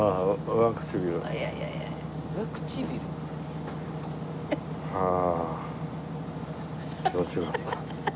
上唇？はあ気持ち良かった。